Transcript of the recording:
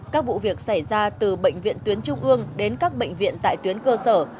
các vụ việc xảy ra từ bệnh viện tuyến trung ương đến các bệnh viện tại tuyến cơ sở